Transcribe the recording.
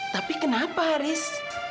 tapi kenapa haris